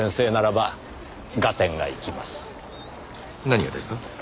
何がですか？